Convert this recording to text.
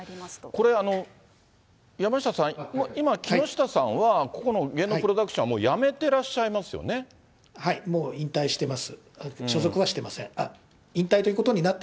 これ、山下さん、今、木下さんはここの芸能プロダクションはもう辞めていらっしゃいまもう引退してます。